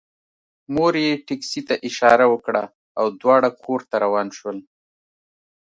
مور یې ټکسي ته اشاره وکړه او دواړه کور ته روان شول